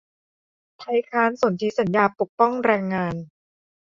ไทยค้านสนธิสัญญาปกป้องแรงงาน